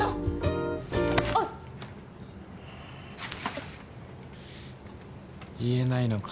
えっ？言えないのか？